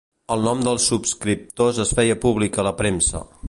El nom dels subscriptors es feia públic a la premsa.